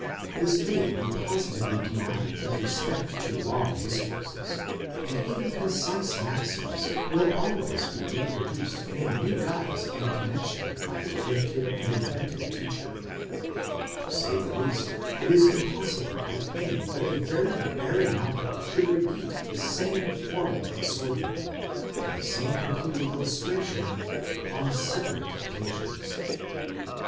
This may be positively denied with respect to long discourses, and even concise maxims will always be reproduced in a new guise and connexion by a gifted and inventive teacher; to say the least, it is impossible that any but a very barren mind should repeat the same formal exordium, and the same concluding illustration, on separate occasions.